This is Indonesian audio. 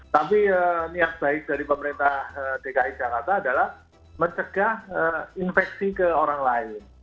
tapi niat baik dari pemerintah dki jakarta adalah mencegah infeksi ke orang lain